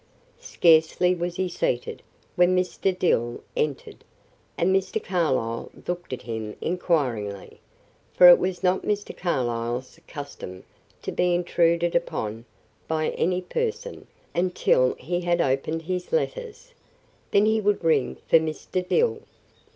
Scarcely was he seated, when Mr. Dill entered, and Mr. Carlyle looked at him inquiringly, for it was not Mr. Carlyle's custom to be intruded upon by any person until he had opened his letters; then he would ring for Mr. Dill.